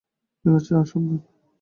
ঠিক আছে - আর সাবধান।